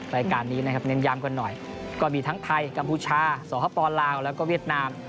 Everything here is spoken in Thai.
รายการนี้นะครับเน้นย้ำกันหน่อยก็มีทั้งไทยกัมพูชาสหพปลาวแล้วก็เวียดนาม